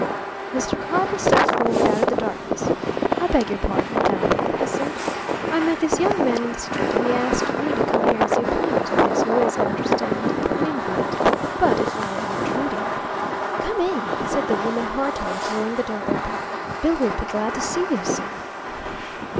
Mr. Carter stepped forward out of the darkness. "I beg your pardon, madam," he said. "I met this young man in the street, and he asked me to come here and see a playmate of his who is, I understand, an invalid. But if I am intruding " "Come in," said the woman, heartily, throwing the door open. "Bill will be glad to see you, sir."